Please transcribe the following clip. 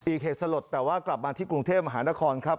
เหตุสลดแต่ว่ากลับมาที่กรุงเทพมหานครครับ